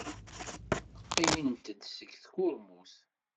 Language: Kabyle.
Qqlent-d seg tkurmut.